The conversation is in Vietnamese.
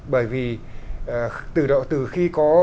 bởi vì từ khi có